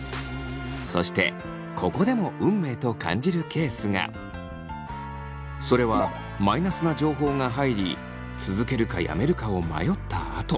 そしてここでも運命と感じるケースがそれはマイナスな情報が入り続けるかやめるかを迷ったあと。